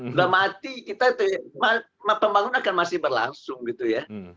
sudah mati pembangunan akan masih berlangsung gitu ya